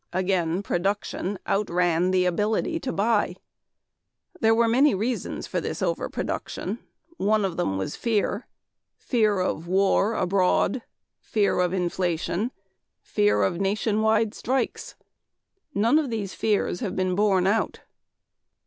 Again production outran the ability to buy. "There were many reasons for this overproduction. One of them was fear fear of war abroad, fear of inflation, fear of nation wide strikes. None of these fears have been borne out.